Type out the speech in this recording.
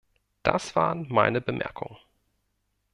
Das waren meine Bemerkungen.